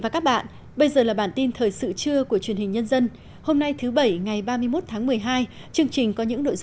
cảm ơn các bạn đã theo dõi